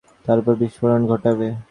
তারপর বিষ্ফোরণ ঘটাবে।